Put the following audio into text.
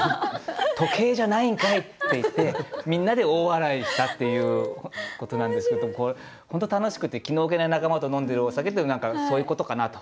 「時計じゃないんかい！」って言ってみんなで大笑いしたっていうことなんですけど本当に楽しくて気の置けない仲間と飲んでるお酒っていうのは何かそういうことかなと。